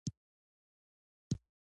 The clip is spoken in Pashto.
ایا ستاسو میزان به دروند نه وي؟